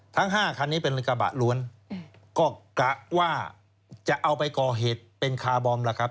ทั้ง๕คันนี้เป็นกระบะล้วนก็กะว่าจะเอาไปก่อเหตุเป็นคาร์บอมล่ะครับ